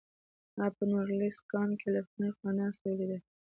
ما په نوریلیسک کان کې له پخواني قومندان سره ولیدل